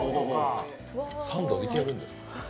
サンドでいけるんですか。